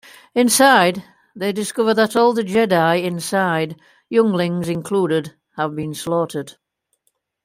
Inside, they discover that all the Jedi inside, younglings included, have been slaughtered.